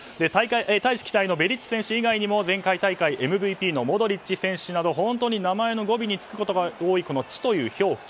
大使期待のベリッチ選手以外にも前回大会ＭＶＰのモドリッチ選手など本当に名前の語尾につくことが多い「ッチ」という表記。